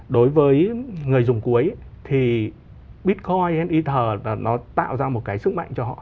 đối với người dùng cuối thì bitcoin và ether tạo ra một cái sức mạnh cho họ